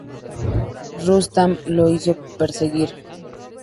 Rustam lo hizo perseguir.